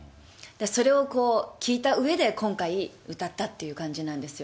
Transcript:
それをこう、聴いたうえで、今回、歌ったって感じなんですよ。